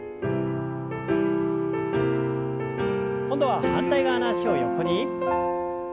今度は反対側の脚を横に。